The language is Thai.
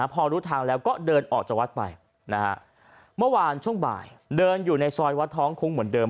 พอรู้ทางแล้วก็เดินออกจากวัดไปเมื่อวานช่วงบ่ายเดินอยู่ในซอยวัดท้องคุ้งเหมือนเดิม